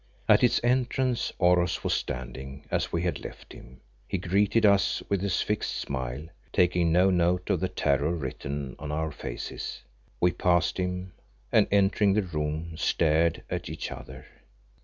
At its entrance Oros was standing as we had left him. He greeted us with his fixed smile, taking no note of the terror written on our faces. We passed him, and entering the room stared at each other.